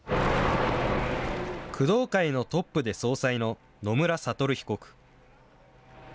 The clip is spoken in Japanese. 工藤会のトップで総裁の野村悟被告。